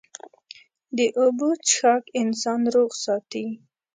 د اوبو څښاک انسان روغ ساتي.